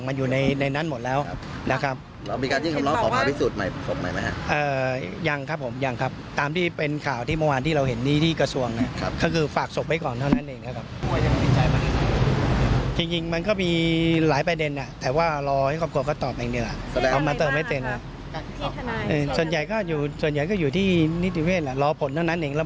พูดบังคับการสมรวจนครบาล๘ยังบอกถึงความคืบหน้าของคดีนะครับ